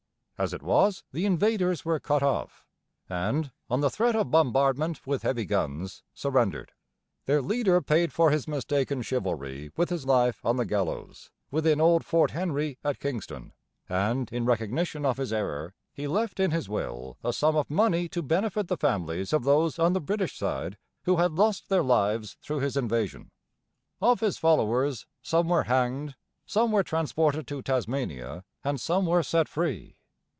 As it was, the invaders were cut off, and, on the threat of bombardment with heavy guns, surrendered. Their leader paid for his mistaken chivalry with his life on the gallows within old Fort Henry at Kingston; and, in recognition of his error, he left in his will a sum of money to benefit the families of those on the British side who had lost their lives through his invasion. Of his followers, some were hanged, some were transported to Tasmania, and some were set free.